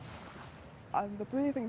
dan sistem berbahan